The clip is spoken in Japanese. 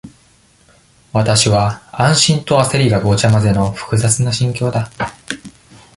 わたしは、安心とあせりがごちゃまぜの、複雑な心境だ。